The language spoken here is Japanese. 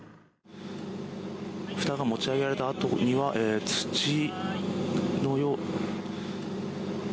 ふたが持ち上げられた跡には土のような。